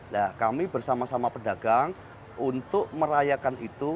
nah kami bersama sama pedagang untuk merayakan itu